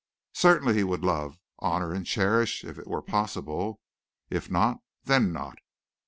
Certainly he would love, honor and cherish if it were possible if not, then not.